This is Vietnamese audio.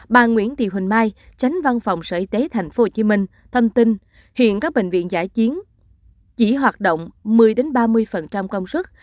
bà nguyễn thị huỳnh mai tránh văn phòng sở y tế thành phố hồ chí minh thông tin hiện các bệnh viện giải chiến chỉ hoạt động một mươi ba mươi công suất